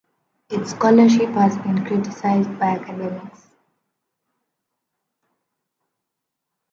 Its scholarship has been criticized by academics.